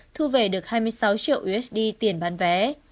thu về được hai mươi sáu triệu usd tiền bán vé